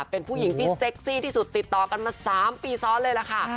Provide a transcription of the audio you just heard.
เป็นผู้หญิงที่เซ็กซี่ที่สุดติดต่อกันมา๓ปีซ้อนเลยล่ะค่ะ